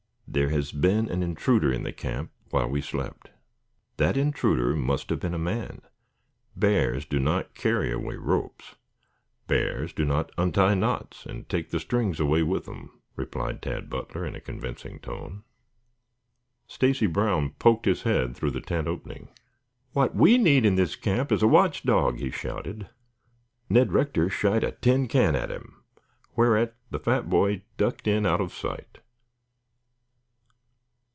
There has been an intruder in the camp while we slept. That intruder must have been a man. Bears do not carry away ropes. Bears do not untie knots and take the strings away with them," replied Tad Butler in a convincing tone. Stacy Brown poked his head through the tent opening. "What we need in this camp is a watch dog," he shouted. Ned Rector shied a tin can at him, whereat the fat boy ducked in out of sight.